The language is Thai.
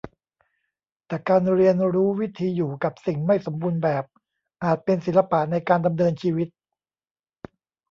แต่การเรียนรู้วิธีอยู่กับสิ่งไม่สมบูรณ์แบบอาจเป็นศิลปะในการดำเนินชีวิต